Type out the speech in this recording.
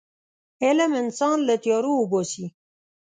علم انسان له تیارو وباسي.